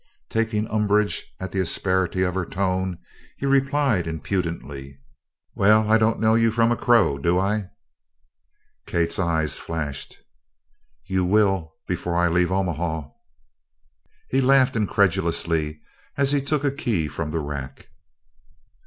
Taking umbrage at the asperity of her tone, he replied impudently: "Well I don't know you from a crow, do I?" Kate's eyes flashed. "You will before I leave Omaha." He laughed incredulously as he took a key from the rack.